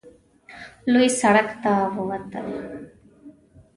لوی سړک ته ووتل.